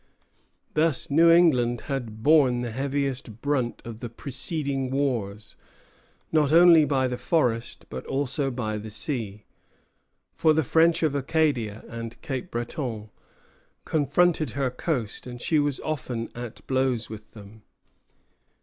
Thus New England had borne the heaviest brunt of the preceding wars, not only by the forest, but also by the sea; for the French of Acadia and Cape Breton confronted her coast, and she was often at blows with them.